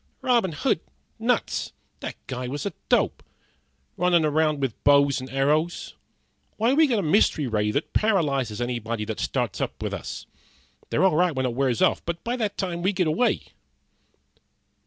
"Robin Hood nuts! That guy was a dope! Runnin' around with bows and arrows. Why, we got a mystery ray that paralyzes anybody that starts up with us. They're all right when it wears off, but by that time we get away."